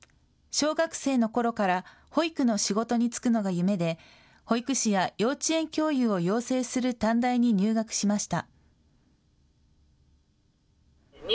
小学生のころから保育の仕事に就くのが夢で保育士や幼稚園教諭を養成する短大に入学しました。